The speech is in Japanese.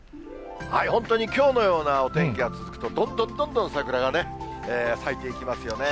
本当にきょうのようなお天気が続くと、どんどんどんどん桜がね、咲いていきますよね。